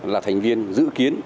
là thành viên dự kiến